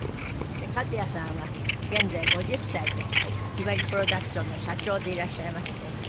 和也さんは現在５０歳でひばりプロダクションの社長でいらっしゃいまして。